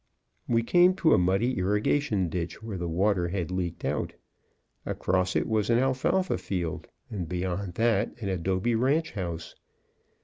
We came to a muddy irrigation ditch, where the water had leaked out. Across it was an alfalfa field, and beyond that an adobe ranch house.